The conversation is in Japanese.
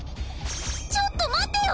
ちょっと待ってよ！